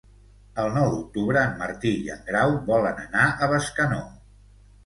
El nou d'octubre en Martí i en Grau volen anar a Bescanó.